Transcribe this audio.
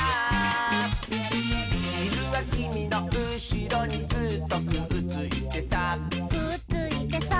「ひるはきみのうしろにずっとくっついてさ」